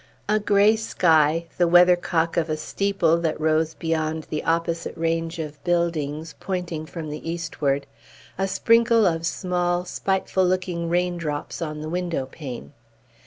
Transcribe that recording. A gray sky; the weathercock of a steeple that rose beyond the opposite range of buildings, pointing from the eastward; a sprinkle of small, spiteful looking raindrops on the window pane.